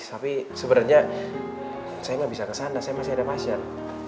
tapi sebenernya saya gak bisa kesana saya masih ada masyarakat